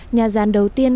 nhà giàn đầu tiên